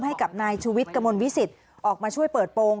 ให้กับนายชูวิทย์กระมวลวิสิตออกมาช่วยเปิดโปรง